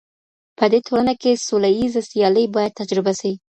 په دې ټولنه کي سوله ييزه سيالي بايد تجربه سي.